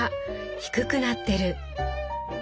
低くなってる。